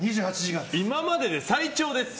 今までで最長です。